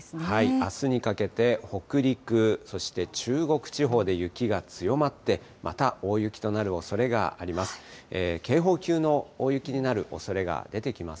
あすにかけて、北陸、そして中国地方で雪が強まって、また大雪となるおそれがあります。